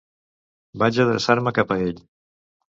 Vaig adreçar-me cap a ell.